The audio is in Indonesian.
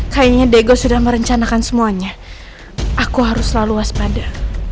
kayaknya diego sudah merencanakan semuanya aku harus selalu waspada